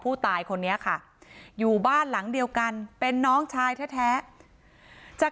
คนนี้ค่ะอยู่บ้านหลังเดียวกันเป็นน้องชายแท้จาก